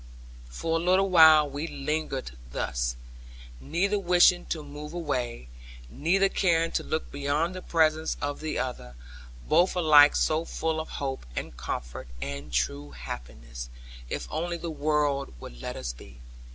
For a little while we lingered thus, neither wishing to move away, neither caring to look beyond the presence of the other; both alike so full of hope, and comfort, and true happiness; if only the world would let us be.